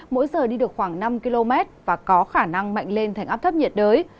mỗi giờ đi được khoảng năm km và có khả năng mạnh lên thành áp thấp nhiệt đới